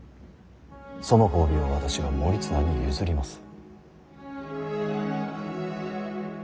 その褒美を私が盛綱に譲ります。